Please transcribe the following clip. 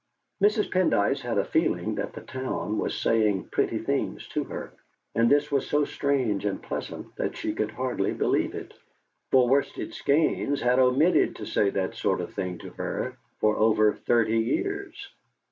Mrs. Pendyce had a feeling that the town was saying pretty things to her, and this was so strange and pleasant that she could hardly believe it, for Worsted Skeynes had omitted to say that sort of thing to her for over thirty years.